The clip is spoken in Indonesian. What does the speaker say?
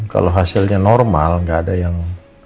kalau hasilnya normal nggak ada yang